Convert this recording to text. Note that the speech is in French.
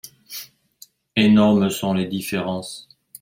Énormes sont les différences.